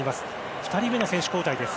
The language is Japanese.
２人目の選手交代です。